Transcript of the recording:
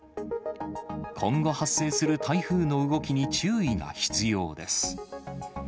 今後発生する台風の動きに注意が必要です。